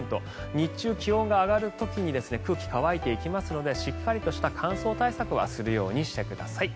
日中気温が上がる時に空気乾いていきますのでしっかりとした乾燥対策はするようにしてください。